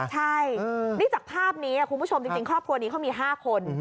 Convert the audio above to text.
ใช่นี่จากภาพนี้คุณผู้ชมจริงครอบครัวนี้เขามี๕คน